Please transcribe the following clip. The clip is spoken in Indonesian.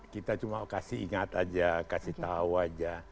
kita cuma kasih ingat aja kasih tahu aja